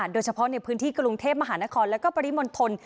โดยเฉพาะในพื้นที่กรุงเทพมหานครและปริมณฑล